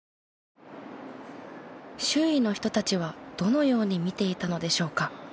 周囲の人たちはどのように見ていたのでしょうか？